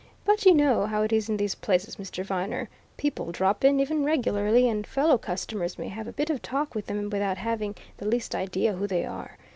But you know how it is in these places, Mr. Viner people drop in, even regularly, and fellow customers may have a bit of talk with them without having the least idea who they are.